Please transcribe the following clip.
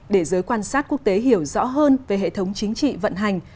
để giới quan sát quốc tế hiểu rõ hơn về hệ thống chính trị vận hành